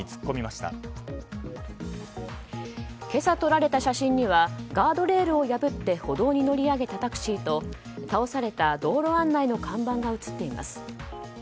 今朝撮られた写真にはガードレールを破って歩道に乗り上げたタクシーと倒された道路案内の看板が写っています。